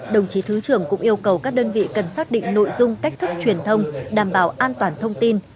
đồng chí thứ trưởng cũng yêu cầu các đơn vị cần xác định nội dung cách thức truyền thông đảm bảo an toàn thông tin